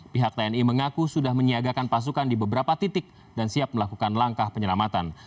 pihak tni mengaku sudah menyiagakan pasukan di beberapa titik dan siap melakukan langkah penyelamatan